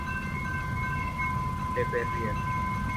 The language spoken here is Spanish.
Le Perrier